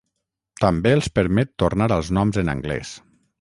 També els permet tornar als noms en anglès.